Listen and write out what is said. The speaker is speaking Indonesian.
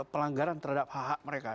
pelanggaran terhadap hak hak mereka